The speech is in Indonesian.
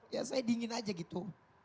ya saya dingin aja gitu